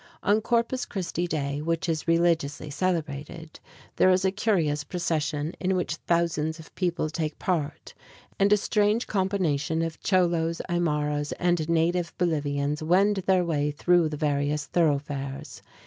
On Corpus Christi day, which is religiously celebrated, there is a curious procession in which thousands of people take part, and a strange combination of Cholos, Aymaras and native Bolivians wend their way through the various thoroughfares.